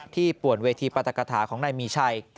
ที่ปวดเวทีปรรถกระถาของนายมีชัย